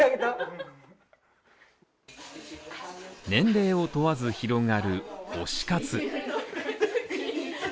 年齢を問わず広がる推し活。